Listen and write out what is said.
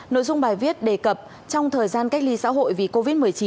nội dung bài viết đề cập trong thời gian cách ly xã hội vì covid một mươi chín